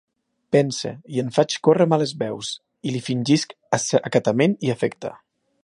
Pense i en faig córrer males veus i, li fingisc acatament i afecte.